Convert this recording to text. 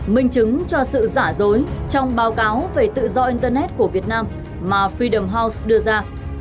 minh chứng cho sự giả dối trong báo cáo về tự do internet của việt nam mà fiderem house đưa ra